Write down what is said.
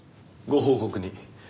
ご報告に。